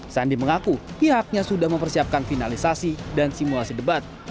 sandi mengaku pihaknya sudah mempersiapkan finalisasi dan simulasi debat